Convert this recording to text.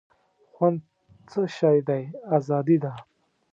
خوند څه شی دی آزادي ده.